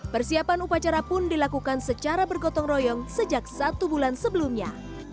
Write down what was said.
persiapan upacara pun dilakukan secara bergotong royong sejak satu bulan sebelumnya